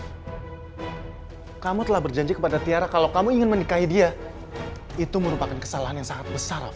kamu telah berjanji kepada tiara kalau kamu ingin menikahi dia itu merupakan kesalahan yang sangat besar